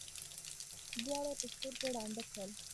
دواړه یې په سترګو ړانده کړل.